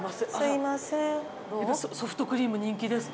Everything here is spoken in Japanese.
ソフトクリーム人気ですか？